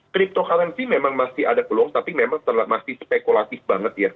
cryptocurrency memang masih ada peluang tapi memang masih spekulatif banget ya